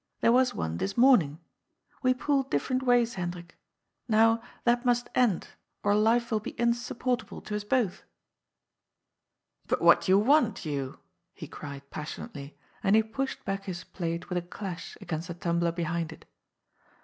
There was one this morning. We pull different ways, Hendrik. Now, that must end, or life will be insup portable to us both." "But what do you want, you?" he cried passionately, and he pushed back his plate with a clash against the tumbler behind it.